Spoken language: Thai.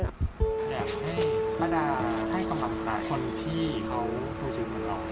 อยากให้ป้าดาให้กำลังต่ายคนที่เขาสูญมันรอ